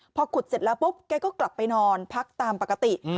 พอขุดเสร็จแล้วปุ๊บแกก็กลับไปนอนพักตามปกติ